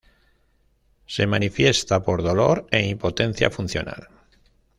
Se manifiesta por dolor e impotencia funcional.